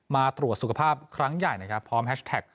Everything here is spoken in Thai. มาตรวจสุขภาพครั้งใหญ่นะครับพร้อมแฮชแท็ก